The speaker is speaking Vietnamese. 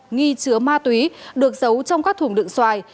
nghi chứa ma túy được giấu trong các thùng đựng xoài